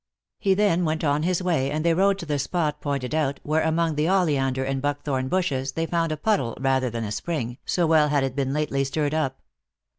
He then went on his way, and they rode to the spot pointed out, where among the oleander and buckthorn bushes they found a puddle rather than a spring, so well had it been lately stirred up.